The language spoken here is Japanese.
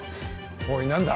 おい何だ？